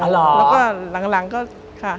แล้วก็หลังก็ค่ะ